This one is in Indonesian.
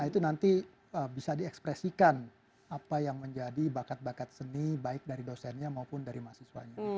nah itu nanti bisa diekspresikan apa yang menjadi bakat bakat seni baik dari dosennya maupun dari mahasiswanya